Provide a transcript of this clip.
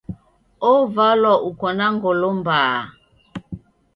Ovalwa uko na ngolo mbaa.